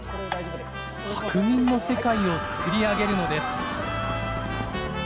白銀の世界を作り上げるのです。